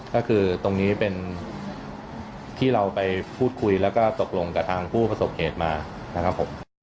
ก็คือที่เราไปพูดคุยแล้วก็ตกลงกับทางผู้ประสบเหตุมานะครับ